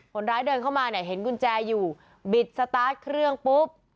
คนร้ายเดินเข้ามาเนี่ยเห็นกุญแจอยู่บิดสตาร์ทเครื่องปุ๊บ